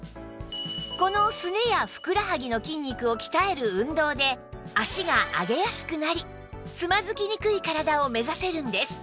このすねやふくらはぎの筋肉を鍛える運動で脚が上げやすくなりつまずきにくい体を目指せるんです